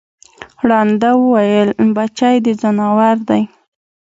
ړانده وویل بچی د ځناور دی